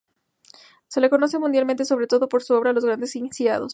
Se le conoce mundialmente sobre todo por su obra "Los grandes iniciados".